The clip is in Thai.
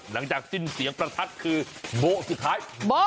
หลังจากสิ้นเสียงประทัดคือโบ๊ะสุดท้าย